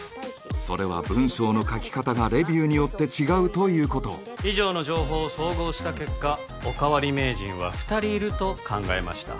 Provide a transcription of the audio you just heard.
それは文章の書き方がレビューによって違うということ以上の情報を総合した結果おかわり名人は二人いると考えました